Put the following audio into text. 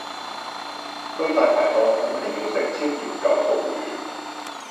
去大牌檔緊係要食椒鹽九肚魚